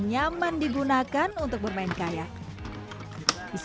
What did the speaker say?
nyaman digunakan untuk bermain kaya disarankan menggunakan pakaian yang khusus kegiatan di